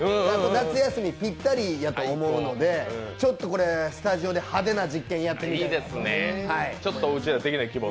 夏休みぴったりやと思うので、これスタジオで派手な実験やってみたいと。